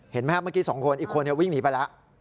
เห็นไหมครับเมื่อกี้๒คนอีกคนวิ่งหนีไปแล้ว